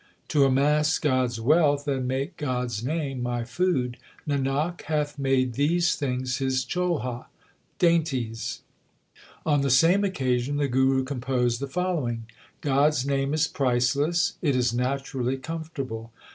To amass God s wealth and make God s name my food Nanak hath made these things his cholha (dainties). 1 1 Dhanasari. 22 THE SIKH RELIGION On the same occasion the Guru composed the following : God s name is priceless ; It is naturally comfortable.